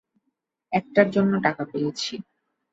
একটার জন্য টাকা পেয়েছি।